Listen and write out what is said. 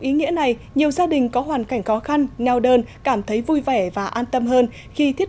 đến nay nhiều gia đình có hoàn cảnh khó khăn nheo đơn cảm thấy vui vẻ và an tâm hơn khi thiết